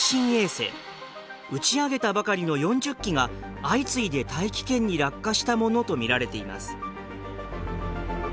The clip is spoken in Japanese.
打ち上げたばかりの４０基が相次いで大気圏に落下したものと見られています。